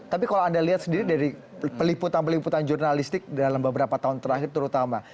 tapi kalau anda lihat sendiri dari peliputan peliputan jurnalistik dalam beberapa tahun terakhir terutama